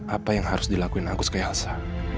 apa yang harus dilakuin aku sekalian yalsa